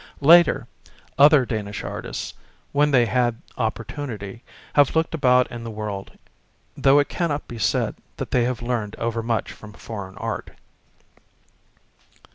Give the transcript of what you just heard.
Later, other Danish artists, when they had opportunity, have looked about in the worid, though it cannot be said that they have learned overmuch from foreign art.